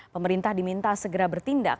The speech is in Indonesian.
pemerintah diminta segera bertindak